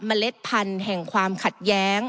เล็ดพันธุ์แห่งความขัดแย้ง